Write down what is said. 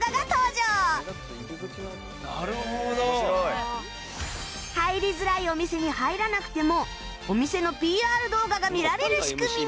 そう入りづらいお店に入らなくてもお店の ＰＲ 動画が見られる仕組みに